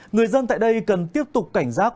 người dân tại đây cần tiếp tục cảnh giác